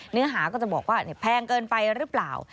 เนื้อหาก็จะบอกว่าแพงเกินไปหรือเปล่า